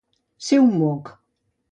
Ser un moc.